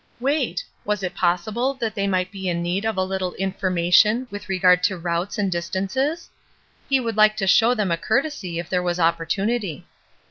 Wait! was it possible that they might be in need of a little information with regard to routes and distances ? He would like to show them a courtesy if there was opportunity.